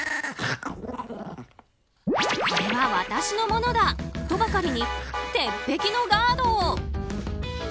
これは私のものだ！とばかりに鉄壁のガード。